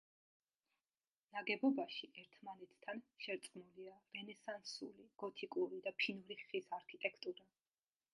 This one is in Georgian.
ნაგებობაში ერთმანეთთან შერწყმულია რენესანსული, გოთიკური და ფინური ხის არქიტექტურა.